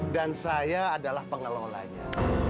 dan saya adalah pengelolanya